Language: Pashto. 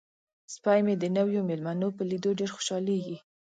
سپی مې د نویو میلمنو په لیدو ډیر خوشحالیږي.